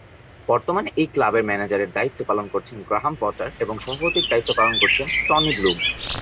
বর্তমানে এই ক্লাবের ম্যানেজারের দায়িত্ব পালন করছেন গ্রাহাম পটার এবং সভাপতির দায়িত্ব পালন করছেন টনি ব্লুম।